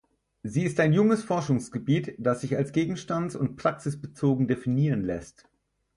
Sie ist ein junges Forschungsgebiet, das sich als gegenstands- und praxisbezogen definieren lässt.